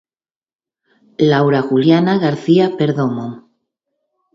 Laura Juliana Garcia Perdomo